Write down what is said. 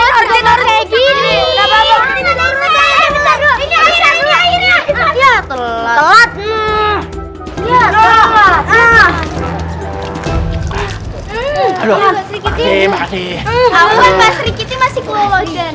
apa pak sri kiti masih keologian